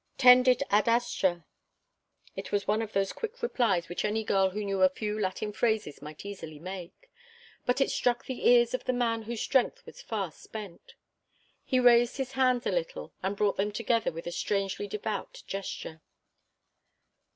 "Tendit ad astra." It was one of those quick replies which any girl who knew a few Latin phrases might easily make. But it struck the ears of the man whose strength was far spent. He raised his hands a little, and brought them together with a strangely devout gesture.